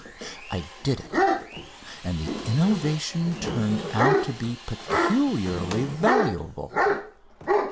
I did it, and the innovation turned out to be peculiarly valuable.